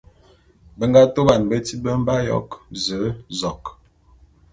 Be nga tôban betít be mbe ayok: Ze, zok...